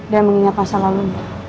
dan mengingat masa lalu